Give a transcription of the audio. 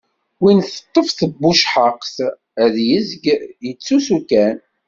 Win teṭṭef tbucehhaqt, ad yezg yettusu kan.